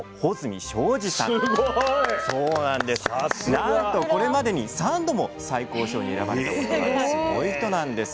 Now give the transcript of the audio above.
なんとこれまでに３度も最高賞に選ばれたこともあるすごい人なんです。